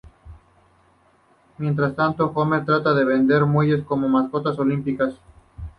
Mientras tanto, Homer trata de vender muelles como mascotas olímpicas.